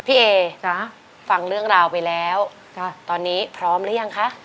พี่เอฟังเรื่องราวไปแล้วตอนนี้พร้อมหรือยังคะ